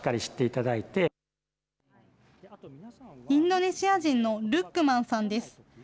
インドネシア人のルックマンさんです。